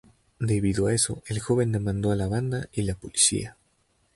Debido a eso, el joven demandó a la banda y la policía.